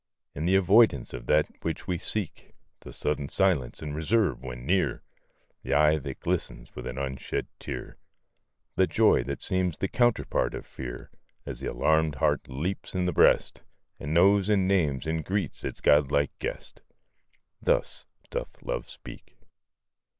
In the avoidance of that which we seek The sudden silence and reserve when near The eye that glistens with an unshed tear The joy that seems the counterpart of fear, As the alarmed heart leaps in the breast, And knows and names and greets its godlike guest Thus doth Love speak.